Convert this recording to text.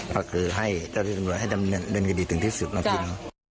ก็คือให้เจ้าที่ตำรวจให้ดำเนินคดีถึงที่สุดนะพี่